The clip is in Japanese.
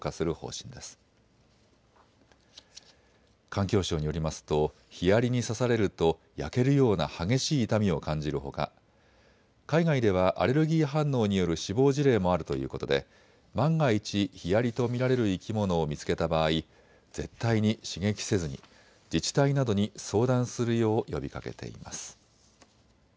環境省によりますとヒアリに刺されると焼けるような激しい痛みを感じるほか、海外ではアレルギー反応による死亡事例もあるということで万が一、ヒアリと見られる生き物を見つけた場合、絶対に刺激せずに、自治体などに相談するよう呼びかけています。